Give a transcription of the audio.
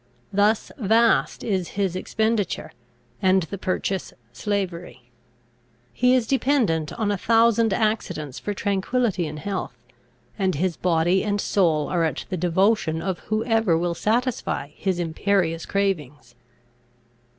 Thus vast is his expenditure, and the purchase slavery. He is dependent on a thousand accidents for tranquillity and health, and his body and soul are at the devotion of whoever will satisfy his imperious cravings.